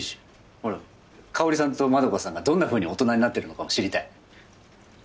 ほらかおりさんとまどかさんがどんなふうに大人になってるのかも知りたい。